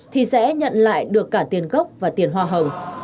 thì sẽ nhận lại được cả tiền gốc và tiền hoa hồng